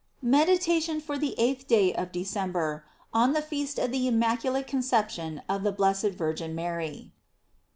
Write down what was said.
MEDITATION FOB THE EIGHTH DAY OF DECEMBER, On the Feast of the Immaculate Conception of the Blessed Virgin Mary.